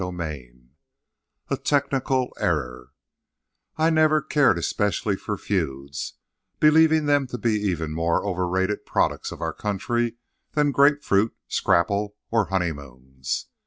X A TECHNICAL ERROR I never cared especially for feuds, believing them to be even more overrated products of our country than grapefruit, scrapple, or honeymoons.